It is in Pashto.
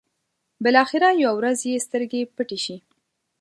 بلاخره يوه ورځ يې سترګې پټې شي.